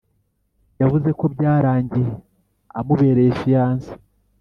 yavuze ko byarangiye amubereye fiance